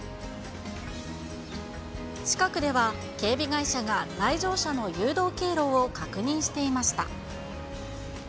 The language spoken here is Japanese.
近くでは、警備会社が来場者の誘導経路を確認していました。